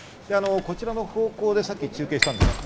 こちらの方向でさっき中継したんです。